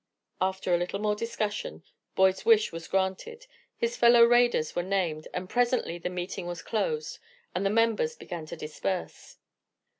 After a little more discussion, Boyd's wish was granted, his fellow raiders were named, and presently the meeting was closed, and the members began to disperse.